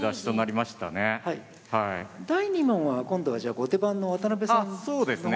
第２問は今度はじゃあ後手番の渡辺さんの方でね。